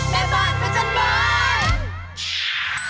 แม่บ้านแต่ฉันบ้าน